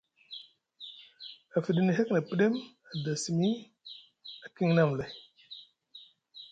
A fiɗini hek na pɗem, a da simi, a kiŋni amlay.